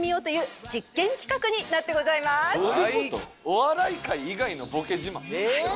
お笑い界以外のボケ自慢？